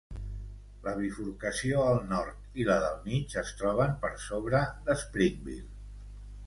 La bifurcació al nord i la del mig es troben per sobre de Springville.